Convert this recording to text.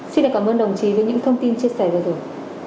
xin cảm ơn đồng chí với những thông tin chia sẻ vừa rồi